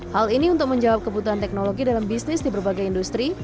hal ini untuk menjawab kebutuhan teknologi dalam bisnis di berbagai industri